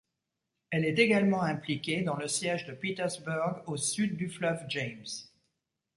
Elle est également impliquée dans le siège de Petersburg au sud du fleuve James.